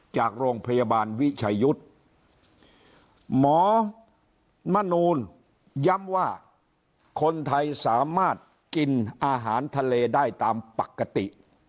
จากโรงพยาบาลวิชัยยุทธ์หมอมนูลย้ำว่าคนไทยสามารถกินอาหารทะเลได้ตามปกติ